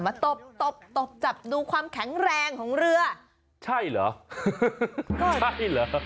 ตบตบตบจับดูความแข็งแรงของเรือใช่เหรอใช่เหรอ